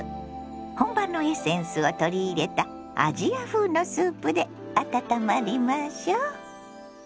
本場のエッセンスを取り入れたアジア風のスープで温まりましょ。